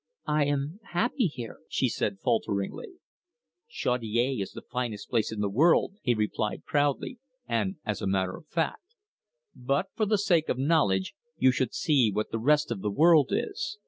"I am happy here," she said falteringly. "Chaudiere is the finest place in the world," he replied proudly, and as a matter of fact. "But, for the sake of knowledge, you should see what the rest of the world is.